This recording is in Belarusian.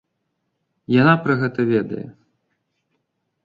Яна пра гэта ведае.